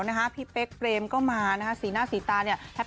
ก็มาร่วมรอบมาถึงสีหน้าสีตา